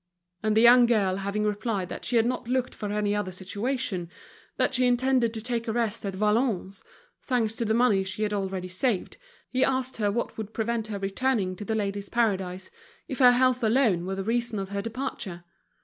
And the young girl having replied that she had not looked for any other situation, that she intended to take a rest at Valognes, thanks to the money she had already saved, he asked her what would prevent her returning to The Ladies' Paradise if her health alone were the reason of her departure.